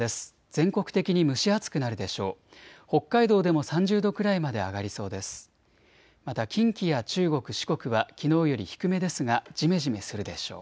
全国的に蒸し暑くなるでしょう。